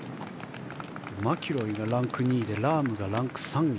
マキロイがランク２位でラームがランク３位。